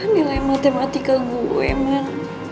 nilai matematika gue men